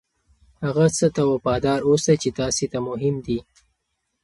هغه څه ته وفادار اوسئ چې تاسې ته مهم دي.